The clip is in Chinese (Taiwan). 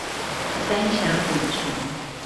三峽拱橋